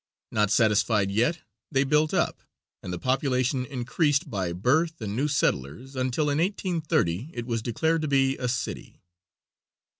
Not satisfied yet, they built up, and the population increased by birth and new settlers until in 1830 it was declared to be a city.